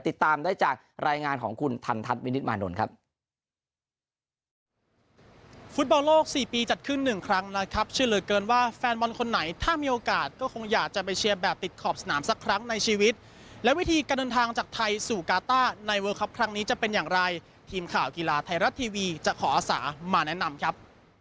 ติดตามได้จากรายงานของคุณทันทัศน์วินิตมานนท์ครับ